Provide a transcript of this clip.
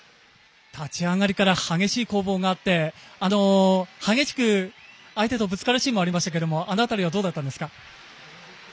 立ち上がりから激しい攻防があって激しく相手とぶつかるシーンもありましたがあの辺りはどうだったんですか？